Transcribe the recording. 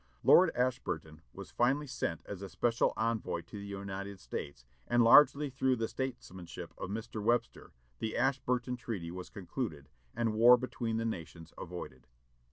Lord Ashburton was finally sent as a special envoy to the United States, and largely through the statesmanship of Mr. Webster the Ashburton treaty was concluded, and war between the nations avoided.